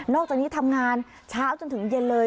อกจากนี้ทำงานเช้าจนถึงเย็นเลย